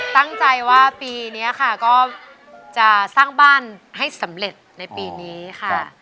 ตั้งใจว่าปีนี้ค่ะก็จะสร้างบ้านให้สำเร็จในปีนี้ค่ะ